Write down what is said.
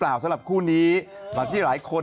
เพียงแต่ไม่ได้ลงรูปพร้อมกันเท่านั้นเอง